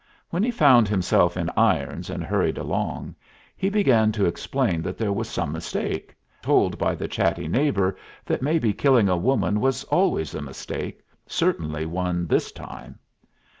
When he found himself in irons and hurried along, he began to explain that there was some mistake, and was told by the chatty neighbor that maybe killing a woman was always a mistake, certainly one this time.